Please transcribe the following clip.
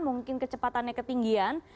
mungkin kecepatannya ketinggian